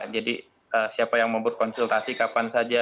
jadi siapa yang mau buat konsultasi kapan saja